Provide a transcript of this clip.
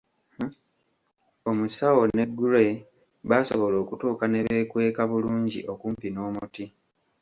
Omusawo ne Gray baasobola okutuuka ne beekweka bulungi okumpi n'omuti